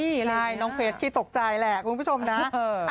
ใช่น้องเฟสขี้ตกใจแหละคุณผู้ชมนะ